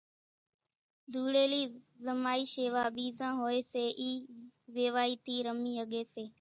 ڌوڙيلي زمائي شيوا ٻيران ھوئي سي اِي ويوائي ٿي رمي ۿڳي سي،